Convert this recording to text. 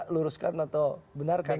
luruskan atau benarkan